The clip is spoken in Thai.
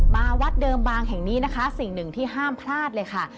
วัดเดิมบางแห่งนี้นะคะสิ่งหนึ่งที่ห้ามพลาดเลยค่ะ